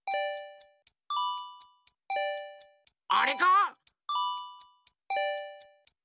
あれか？